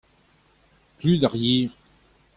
Klud ar yer.